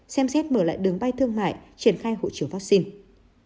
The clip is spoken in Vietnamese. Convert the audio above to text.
xem xét mở lại đường bay thương mại triển khai hộ chiếu vaccine